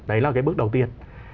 đấy là cái bước đầu tiên